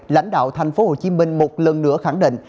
lãnh đạo tp hcm một lần nữa khẳng định